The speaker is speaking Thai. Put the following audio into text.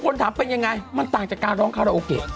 คนถามเป็นยังไงมันต่างจากการร้องคาราโอเกะ